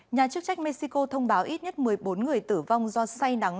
nhà chức trách mexico thông báo ít nhất một mươi bốn người tử vong do say nắng